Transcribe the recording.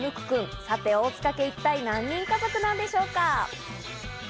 さて、大塚家、一体何人家族なんでしょうか？